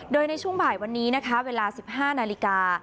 โดยในช่วงบ่ายวันนี้นะคะเวลาสิบห้านาลีกา